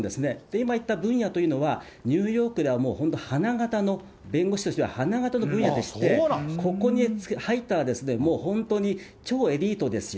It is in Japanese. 今言った分野というのは、ニューヨークではもう本当に花形の、弁護士としては花形の分野でして、ここに入ったら、もう本当に超エリートですよ。